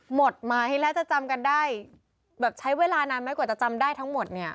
หมดไหมแล้วจะจำกันได้แบบใช้เวลานานไหมกว่าจะจำได้ทั้งหมดเนี่ย